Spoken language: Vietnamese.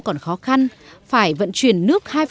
còn khó khăn phải vận chuyển nước